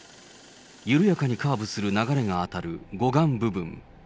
緩やかにカーブする流れが当たる護岸部分。